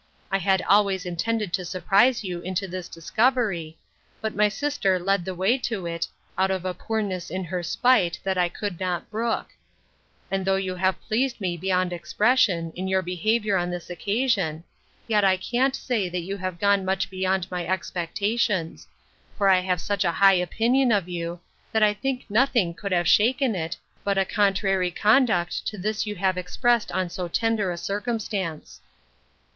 I had always intended to surprise you into this discovery; but my sister led the way to it, out of a poorness in her spite, that I could not brook: And though you have pleased me beyond expression, in your behaviour on this occasion; yet I can't say, that you have gone much beyond my expectations; for I have such a high opinion of you, that I think nothing could have shaken it, but a contrary conduct to this you have expressed on so tender a circumstance.